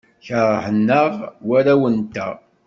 Keṛhen-aɣ warraw-nteɣ.